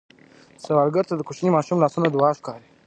سوالګر ته د کوچني ماشوم لاسونه دعا ښکاري